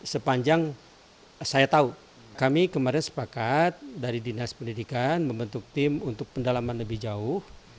sepanjang saya tahu kami kemarin sepakat dari dinas pendidikan membentuk tim untuk pendalaman lebih jauh